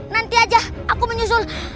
nanti aja aku menyusul